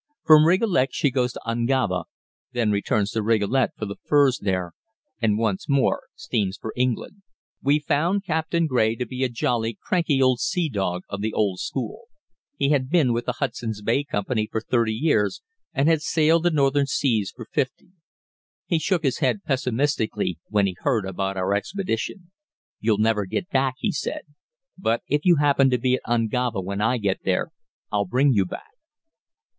From Rigolet she goes to Ungava, then returns to Rigolet for the furs there and once more steams for England. We found Captain Grey to be a jolly, cranky old seadog of the old school. He has been with the Hudson's Bay Company for thirty years, and has sailed the northern seas for fifty. He shook his head pessimistically when he heard about our expedition. "You'll never get back," he said. "But if you happen to be at Ungava when I get there, I'll bring you back."